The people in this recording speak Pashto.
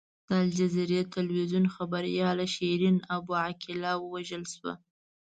د الجزیرې ټلویزیون خبریاله شیرین ابو عقیله ووژل شوه.